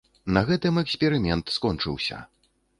На гэтым эксперымент скончыўся.